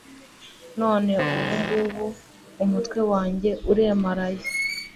none ubu ngubu umutwe wanjye uremaraye